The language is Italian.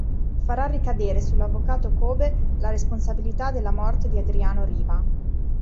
Farà ricadere sull'avvocato Kobe, la responsabilità della morte di Adriano Riva.